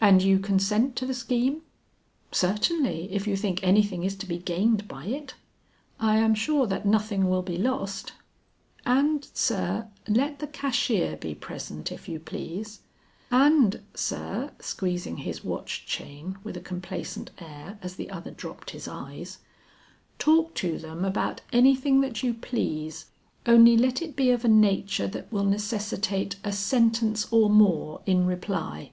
"And you consent to the scheme?" "Certainly, if you think anything is to be gained by it." "I am sure that nothing will be lost. And sir, let the cashier be present if you please; and sir," squeezing his watch chain with a complacent air, as the other dropped his eyes, "talk to them about anything that you please, only let it be of a nature that will necessitate a sentence or more in reply.